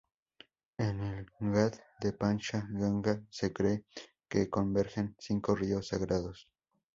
En el ghat de Pancha Ganga se cree que convergen cinco ríos sagrados.